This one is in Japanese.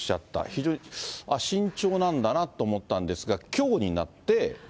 非常に慎重なんだなと思ったんですが、きょうになって。